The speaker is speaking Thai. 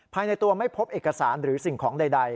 ภายในตัวไม่พบเอกสารหรือสิ่งของใด